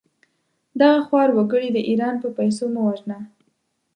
دغه خوار وګړي د ايران په پېسو مه وژنه!